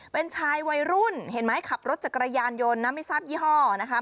เป็นชายวัยรุ่นเห็นไหมขับรถจักรยานยนต์นะไม่ทราบยี่ห้อนะคะ